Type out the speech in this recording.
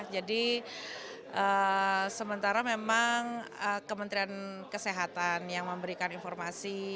jadi sementara memang kementerian kesehatan yang memberikan informasi